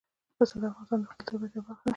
پسه د افغانستان د ښکلي طبیعت یوه برخه ده.